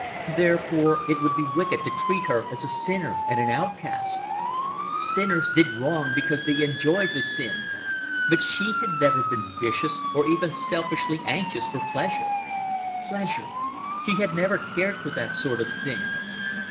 Therefore it would be wicked to treat her as a sinner and an outcast. Sinners did wrong because they enjoyed the sin; but she had never been vicious, or even selfishly anxious for pleasure. Pleasure! She had never cared for that sort of thing.